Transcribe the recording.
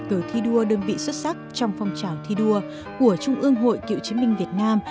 cờ thi đua đơn vị xuất sắc trong phong trào thi đua của trung ương hội cựu chiến binh việt nam